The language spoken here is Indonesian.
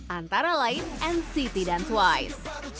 antara lain nct dan twice